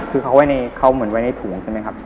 คือเขาเหมือนไว้ในถุงใช่ไหมครับ